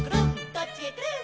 「どっちへくるん」